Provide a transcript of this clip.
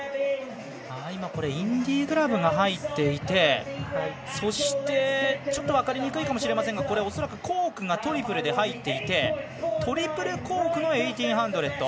今、インディグラブが入っていてそして、ちょっと分かりにくいかもしれませんがコークがトリプルで入っていてトリプルコークの１８００。